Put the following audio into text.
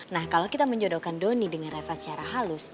nah kalau kita menjodohkan doni dengan reva secara halus